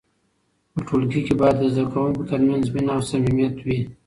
په ټولګي کې باید د زده کوونکو ترمنځ مینه او صمیمیت وي.